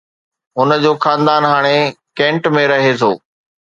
هن جو خاندان هاڻي ڪينٽ ۾ رهي ٿو